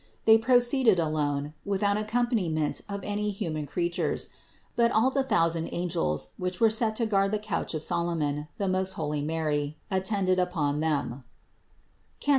They proceeded alone, without ac companiment of any human creatures; but all the thou sand angels, which were set to guard the couch of Solo mon, the most holy Mary, attended upon them (Cant.